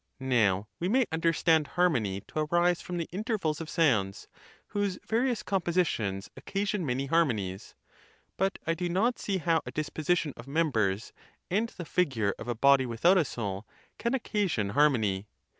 Now, we may understand har mony to arise from the intervals of sounds, whose various compositions occasion many harmonies; but I do not see how a disposition of members, and the figure of a bod without a soul, can occasion harmony.